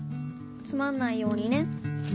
つまんないようにね。